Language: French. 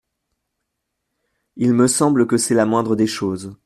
Il me semble que c’est la moindre des choses.